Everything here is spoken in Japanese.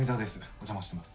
お邪魔してます。